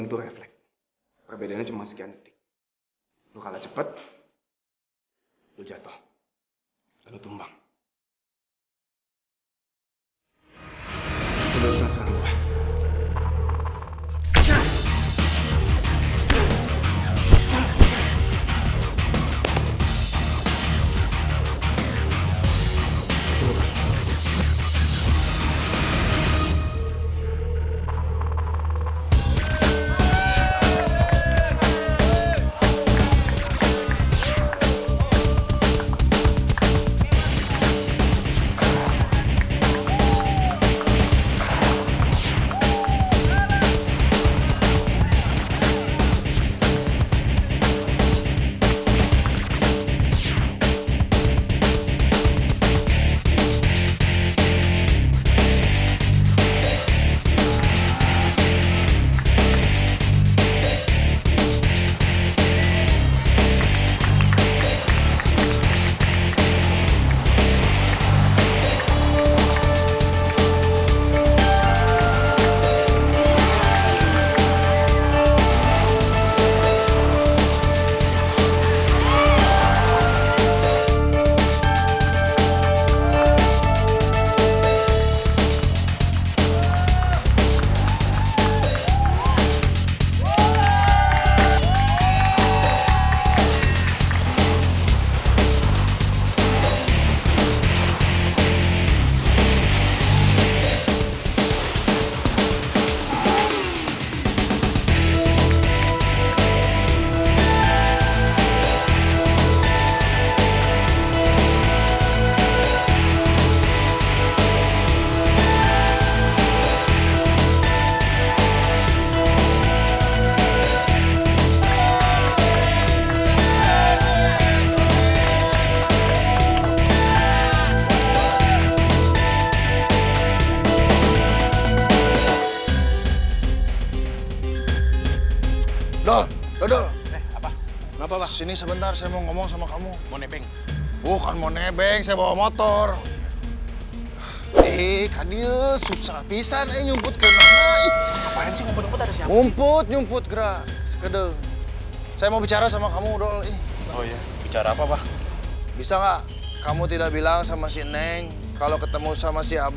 neng mau sendiri aja sekarang ma abah gak usah utar atur neng lagi